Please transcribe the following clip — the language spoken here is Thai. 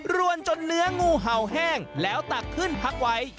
วนจนเนื้องูเห่าแห้งแล้วตักขึ้นพักไว้